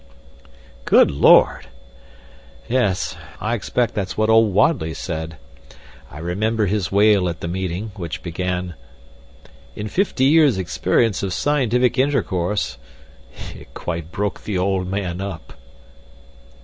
'" "Good Lord!" "Yes, I expect that's what old Wadley said. I remember his wail at the meeting, which began: 'In fifty years experience of scientific intercourse ' It quite broke the old man up."